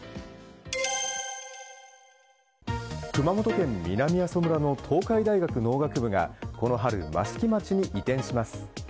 熊本県南阿蘇村の東海大学農学部がこの春、益城町に移転します。